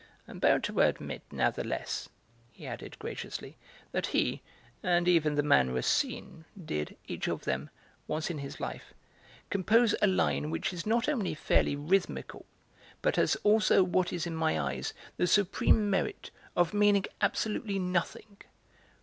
I am bound to admit, natheless," he added graciously, "that he, and even the man Racine, did, each of them, once in his life, compose a line which is not only fairly rhythmical, but has also what is in my eyes the supreme merit of meaning absolutely nothing.